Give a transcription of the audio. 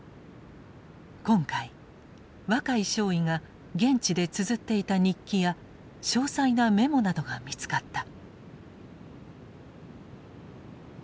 今回若井少尉が現地でつづっていた日記や詳細なメモなどが見つかった。